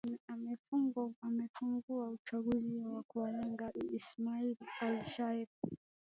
amefunguwa uchunguzi kuwalenga ismail al shael